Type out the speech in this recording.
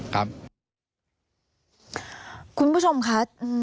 คุณผู้ชมคะ